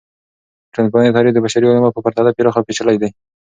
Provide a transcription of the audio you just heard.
د ټولنپوهنې تعریف د بشري علومو په پرتله پراخه او پیچلي دی.